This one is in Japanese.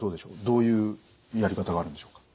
どういうやり方があるんでしょうか？